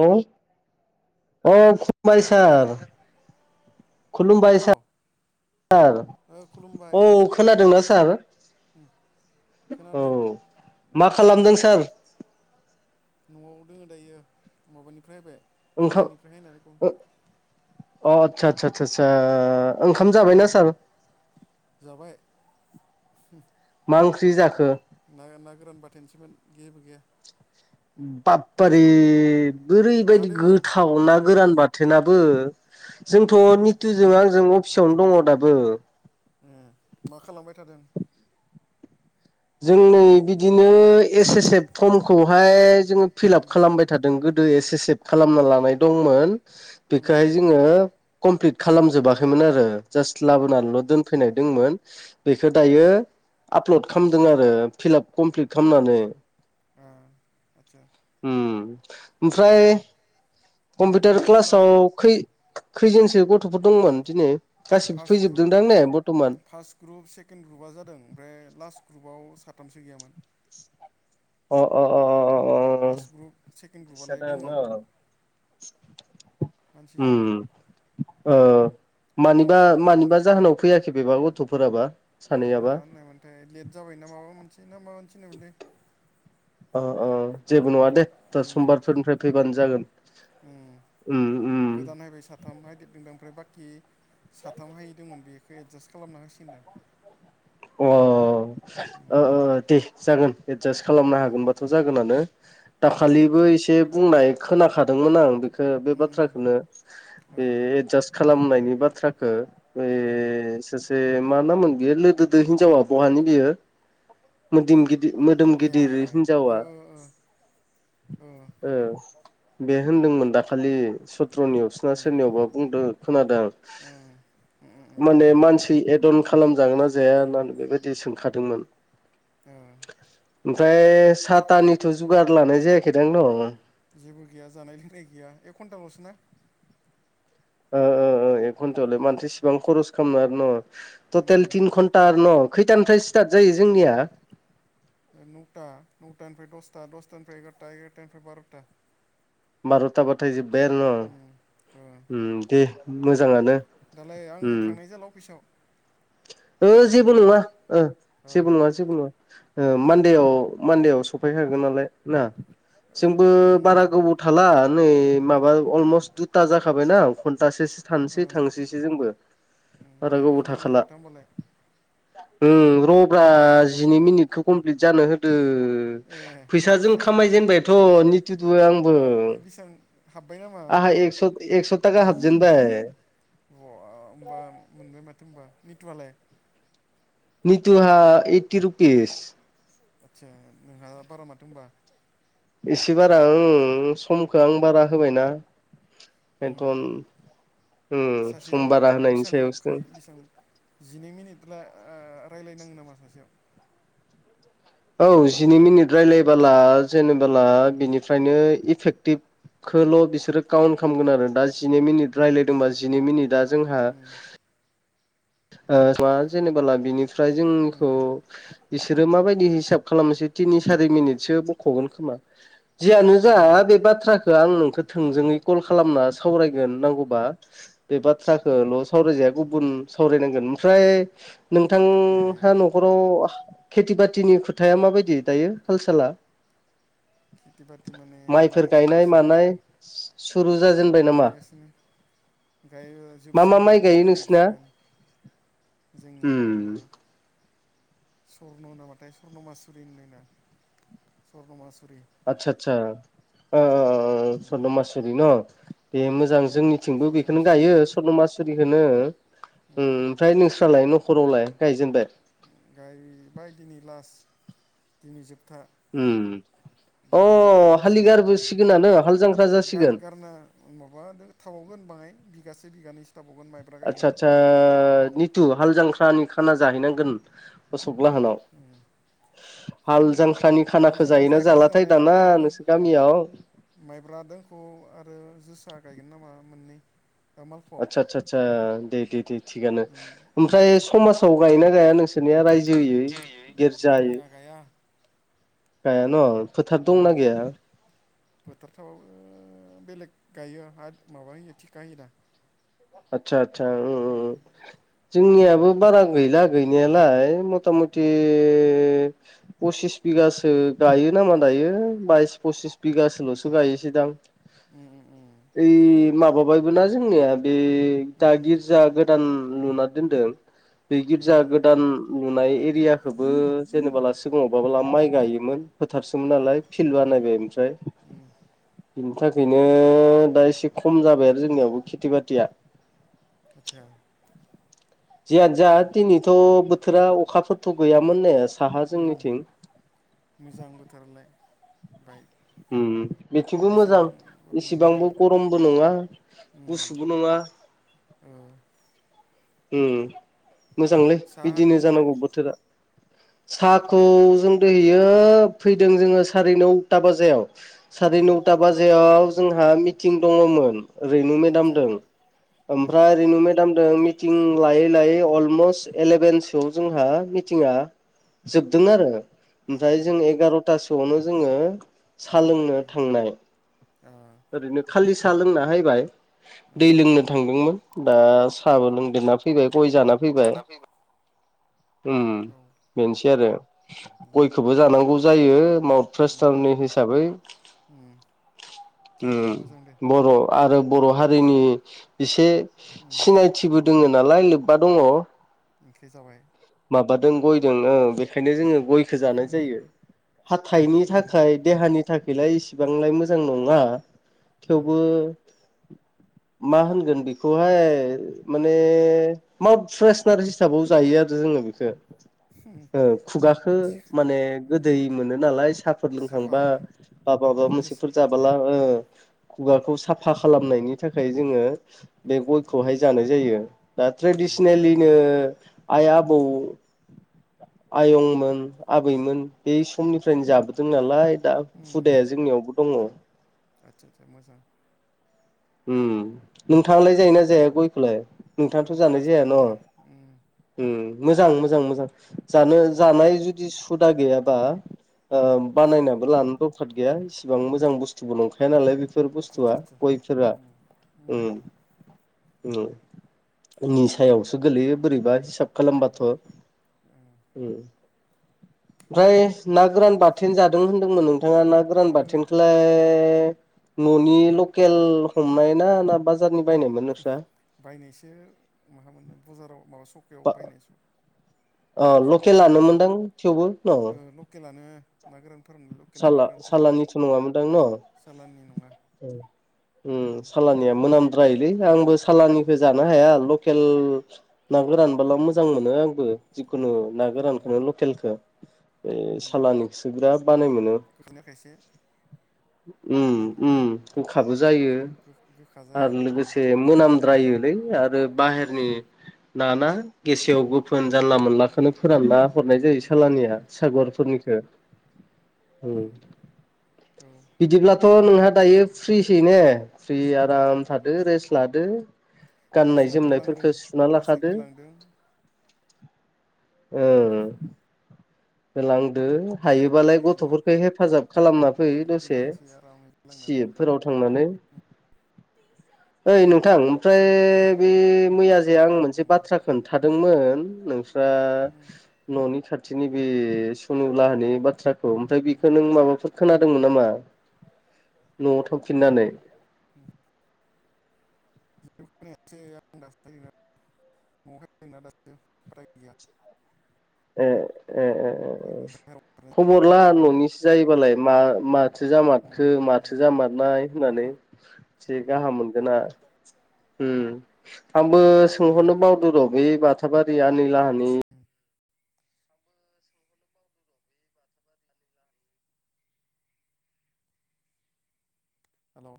औ अ खुलुमबाय हेलौ सार खुलुमबाय हेलौ सार सार ओ खुलुमबाय औ खोनादोंना सार? उम औ खोनादों मा खालामदों सार? उम न'आव दोङो दायो माबानिफ्राय फैबाय [unintelligible] अ ट्रेनिंनिफ्राय फैनानै कल आथसा आथसा आथसा सा ओंखाम उम जाबायना सार? जाबाय मा ओंख्रि जाखो? ना ना गोरान बाथोन सोमोन जेबो गैया। बाप उम पारि मा ओरैबायदि दोङो गोथाव ना गोरान बाथोनाबो जोंथ' उम निथुजों आंजों अफिसावनो दङ दाबो ए मा खालामबाय थादों? जों नै बिदिनो एस एस एफ फर्मखौहाय जोङो फिलाप उम खालामबाय थादों गोदो एससफ खालामना लानाय दंमोन उम बेखौहाय जोङो कमप्लिट खालामजोबाखैमोन आरो जास्ट उम लाबोनानैल' दोन फैनाय दंमोन बेखौ दायो आपलड खालाम खालामदों आरो फिलाप कमप्लिट खालामनानै आतसा ओम ओमफ्राय आं कम्पिउटार थांनाय जाला क्लासाव बेयाव खै खैजोनसो गथ'फोर दंमोन दिनै गासिबो फार्स्ट ग्रुप फैजोबदोंदां ने बरथ'मान? फार्स्ट ग्रुप सेकेण्ड ग्रुपआ जादों ओमफ्राय लास्ट ग्रुपआव साथामसो गैयामोन। अ अ अ अ फार्स्ट ग्रुप सेकेण्ड बिदिसो ग्रुपआलाय जादों दोङो आरो मानसि न' ओम जादों ओ मानिबा मानिबा जाहोनाव फैयाखै बेबा गथ'फोराबा मा सानैयाबा होननायमोनथाय लेट जाबाय ना माबा मोनसे ना माबा मोनसे होननायमोनथाय अ अ जेबो उम नङा दे दा समबारफोरनिफ्राय फैबानो जागोन। ओम उम उम गोदान नायबाय साथाम हागिरदोंदों ओमफ्राय बाखि साथाम हायै दंमोन बेखौ एडजास्ट खालामना होसिगोनदां। अ ओ उम ओ दे जागोन। एदजासट खालामनो उम हागोनबाथ' जागोनानो। उम दाखालिबो एसे बुंनाय खोनाखादोंमोन आं बेखौ बे उम उम बाथ्राखौनो ओ बे एडजास्ट खालामनायनि बाथ्राखो। ओ ए सासे मा नामोन बेयो लोदोदो हिनजावा बहानि बियो? मोदोम गिदि मोदोम ए गिदिर ओ हिनजावा ओ ओ बे होनदोंमोन दाखालि सत्रनियाव सोना उम सोरनियावबा बुंदो खोनादों उम उम उम माने मानसि एदन खालामजागोन ना जाया होननानै बेबायदि सोंखादोंमोन। ओ ओमफ्राय साथानिथ' जुगार लानाय जायाखैदांथ न' जेबो गैया जानाय लोंनाय गैया एक घन्टाल'सो ना ओ ओ एक उम घन्टायावलाय मानोथो एसेबां खरस खालामनो आरो ना थथेल उम टिन धनटा न' खैथानिफ्राय स्टार्ट जायो जोंनिया? नौथा नौथानिफ्राय दसथा दसथानिफ्राय एगार'टा एगार'टानिफ्राय बार'था। बार'थाबाथाय जोब्बाय आरो उम ओ न' दे मोजाङानो। [unintelligible] उम आं थांनाय जाला अफिसाव ओ जेबो उम नंङा ओ जेबो नङा जेबो नङा। मान्देआव मान्देआव सफैखागोन नालाय ना। जोंबो उम बारा उम गोबाव थाला नै माबा अलमस्ट दुथा जाखाबायना घन्टासो थानसै ओ थांसैसो जोंबो। उम दे खामानि मावबाय था होनोमबालाय। ओम रब्रा उम जिनै मिनिटखौ कमप्लिट जानो होदो ए फैसाजों खामायजेनबायथ' नित्य दो आंबो। बेसबां हाबबाय [unintelligible] आहा एक्स एक्स थाखा हाबजेनबाय। ब होमबाम मोनबाय माथो होनबा मिटुआलाय निटुहा ऐटि रुपिस आदसा नोंहा बारा माथो होनबा एसे बारा ओं समखौ आं बारा होबायना उम बेनथन सासेयाव सायावसो बेसेबांखै बेसेबां? जिनै मिनिटला ओ रायलायनाङो नामा सासेयाव औ जिनै मिनिट रायलायबोला जेनेबोला बिनिफ्रायनो इफेक्टिभ खोल' बिसोरो काउन्ट खामगोन आरो दा जिनै मिनिट रायलायदोंबा जिनै मिनिटआ जोंहा उम ओ बा जेनेबोला बिनिफ्राय जोंनिखौ उम बिसोरो माबायदि हिसाब खालामनोसै तिनि सारि मिनिटसो बख'गोन खोमा जियानो जा उम बे बाथ्राखौ आं नोंखौ थोंजोङै कल खालामना सावरायगोन नांगौबा बे बाथ्राखोल' सावरायजाया गुबुन सावरायनांगोन ओमफ्राय ए नोंथांहा न'खराव खेथि बाथिनि खोथाया माबायदि दायो काल साला खेथि बाथि माने माइ माइफोर गायनाय गायगासिनो मानाय सु सुरु जाजेनबाय नामा? अ दायो जोबसिगोनानो दिनै जोबसिगोन जोंनिया उम सरन' होना बाथाय सरन'मासुरि होनदों ना स्वर्नमासुरि आदसा आदसा ओ उम सर्न मासुरि न बे मोजां उम जोंनि थिंबो सर्न बेखौनो मासुरि गायो। सर्नमासुरिहोनो उम ओमफ्राय नोंस्रालाय न'खरावलाय गायजेनबाय गायबाय दिनै लास्ट दिनै जोबथा। उम दिनै अ हालि जोबसिगोन गारबोसिगोनानो हाल जांख्रा [unintelligible] गार जासिगोन गारना ओ माबा दो थाबावगोन बाहाय बिगासे बिगानैसो थाबावगोन माइ आदसा आदसा निथु हाल जांख्रानि खाना जाहैनांगोन असक लाहानाव उम हाल जांख्रानि हाल खानाखो जांख्रा जायोना जायाखै जालाथाय जानायालाय दाना थाबावगोन नोंसोर गामियाव माइब्रा दोखौ आरो जोसा गायगोन नामा मोननै मालफब आदसा आदसा आसा दे दे दे थिगानो उम ओमफ्राय समाजाव गायोना गाया नोंसो सोरनिया रायजोयै गिर्जायै जोंनिया गाया गायान' फोथार दंना गैया? फोथार थाबाबो बेलेग गायो हाद माबा होयो थिखा होयो दा आतसा आतसा उम उम जोंनियाबो बारा गैला गैनायालाय मटा मटि उम पसिस बिगासो गायो नामा दायो बाइस पसिस बिगासोल'सो गायोसैदां उम उम ओइ माबाबायबो ना जोंनिया बे उम दा गिर्जा गोदान लुना दोनदों बे ओ गिर्जा गोदान नुनाय एरियाखौबो जेनेबाला सिगाङावबाबोला माइ गायोमोन। फोथारसोमोन उम नालाय फिल्ड बानायबाय ओमफ्राय उम बिनि थाखायनो दा एसे खम जाबाय आरो जोंनियावबो खेथि बाथिया आतसा जेयानो जा दिनैथ' बोथोरा अखाफोरथ' गैयामोन ने साहा जोंनिथिं उम मोजां बोथोरलाय बाइ उम उम बेथिंबो मोजां बर'मोनहा इसिबांबो गरमबो नङा उम गुसुबो नङा। ओ उम मोजांलै साहा हारि बिदिनो लोंबाय जानांगौ बोथोरा। साहाखौ जों दोहोयो फैदों जोङो साराय नौथा बाजायाव साराय उम नौथा बाजियाव जोंहा मिटिं दङमोन। रेनु आदसा मेदामदों औ ओ ओमफ्राय रेनु मे मदों मिटिं लायै लायै अलमस्ट एलेभेनसोआव जोंहा मिटिंआ जोबदों आरो ओमफ्राय जों एगार'थासोआवनो जोङो साहा लोंनो उम थांनाय ओ ओरैनो खालि साह लोंना हायबाय। ओ दै लोंनो थांदोंमोन दा साहाबो लोंदेरना फैबाय गय जाना फैबाय। उम औ बेनोसै आरो उम गयखौबो जानांगौ जायो माउथ्रा उम सारनि हिसाबै उम थिगानो मोजां दे उम बर' आरो बर' हारिनि एसे उम सिनायथिबो दोङो नालाय लोब्बा दङ। ओंख्रि जाबाय माबादों गयदों ओ बेखायनो जोङो गयखो जानाय उम जायो हाथाइनि मोजां उम थाखाय देहानि थाखायलाय इसेबांलाय मोजां न मा होनगोन बेखौहाय माने मउथ फ्रेसनार हिसाबाव जायो आरो जोङो बेखौ ओ खुगखो माने उम गोदै मोनो नालाय साफ फोर लोंखांबा साफा बा माबा गेस मोनसेफोर जाबोला ओ उम खुगाखौ साफा खालामनायनि थाखाय जोङो बे उम गयखौहाय जानाय जायो दा उम ट्रेडिसनेलिनो आइ, आबौ, आयंमोन, आबैमोन बै समनिफ्रायनो जाबो दों नालाय दा हुदाया जोंनियावबो दङ। आतसा आतसा मोजां। उम नोंथाङालाय जायोना जाया गयखौलाय? आं नोंथाङाथ' जानाय गय जाया न'? उम उम मोजां मोजां मोजां जानो उम जानाय जुदि सुदा गैयाबा ओ उमहो बानायनाबो लानो दरखार गैया इसिबां मोजां बुस्थुबो नंखाया नालाय बेफोर आदसा बुस्थुआ आदसा आदसा गय फोरा। उम उम उम निसायावसो गोलैयो बोरैबा हिसाब उम खालामबाथ' ओं उम ओमफ्राय ना गोरान बाथोन जादों होन्दोंमोन नोंथाङा ना गोरान ओ बाथोनखौ लाय न'नि लकेल हमनाय ना ना बाजारनि बायनायमोन नोंस्रा? बायनायसो माहा मोनो बाजाराव माबा सकायाव बा बायनायस'। अ लकेलानो मोनदां थेवबो ओ न'? लकेलानो ना गोरान फोराननाय लकेल ना साला गोरान फोराननाय सालानिथ' नङामोनदां न' सालाननि नङा। उ उम सालानिया मोनाम द्रायोलै, आंबो उम सालानिखौ जानो हाया लकेल ना उम गोरानबोला मोजां मोनो आंबो जिखुनु ना उम गोरानखौनो लकेलखौ बै उम सालानि खोसो बिराद बानाय मोनो गोखैना खायसे उम उम गोखाबो जायो गो गोखा जायो आरो उम लोगोसे मोनामद्रायोलै आरो बाहेरनि उम ना ना गेसेव-गोफोन जा नला-मोनलाखौनो फोरानना हरनाय जायो ओ सालानिया सागरफोरनिखो। उम औ बिदिब्लाथ' नोंहा दायो फ्रिसै ने? फ्रि आराम थादो रेस्ट लादो। दसे गोलांदों गाननाय-जोमनायफोरखो सुना दसे लाखादो गोलांदों ओं होलांदो बायनाया हायोबालाय दैनो गथ'फोरखौ हेफाजाब खालामना फै दा दसे। गोलांसै आरामै गोलांना दों सियेपफोराव थांनानै ओइ नोंथां! ओमफ्राय जेबाव बे थांगोन मैया जाया आं मोनसे उम बाथ्रा खोन्थादोंमोन नोंस्रा उम न'नि खाथिनि बे सनुलाहानि बाथ्राखौ ओमफ्राय नों उम बेखौ नों माबाफोर खोनादोंमोन नामा न'आव थांफिननानै [inaudible] [unintelligible] [unintelligible] [unintelligible] खबर जायाखै ला आङो न'निसो जायोबालाय गामिथिं मा-माथो होमबा जामारखो? उम माथो जामारनाय? होननानै। माबाफोर एसे गाहाम मोनदोंना? उम उम आंबो उम सोंहरनो बावदो र' बे बाथाबारि आनैलाहानि ए [unintelligible] हेलौ